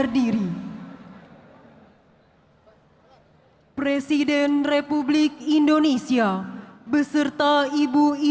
di sanalah ku rasa senang